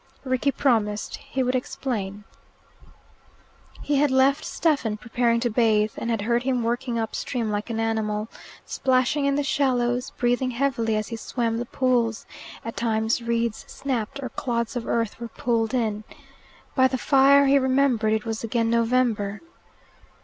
Rickie promised he would explain. He had left Stephen preparing to bathe, and had heard him working up stream like an animal, splashing in the shallows, breathing heavily as he swam the pools; at times reeds snapped, or clods of earth were pulled in. By the fire he remembered it was again November.